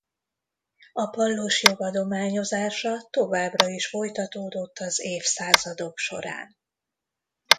A pallosjog adományozása továbbra is folytatódott az évszázadok során.